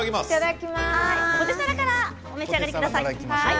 ポテサラからお召し上がりください。